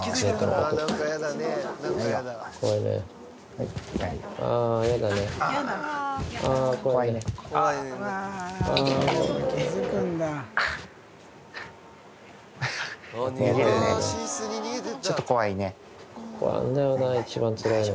ここなんだよな一番つらいの。